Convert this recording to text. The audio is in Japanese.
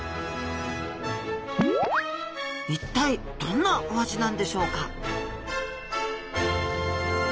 一体どんなお味なんでしょうか？